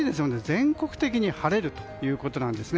全国的に晴れるということです。